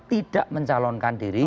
tidak mencalonkan diri